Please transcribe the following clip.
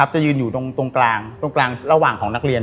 จะยืนอยู่ตรงกลางตรงกลางระหว่างของนักเรียน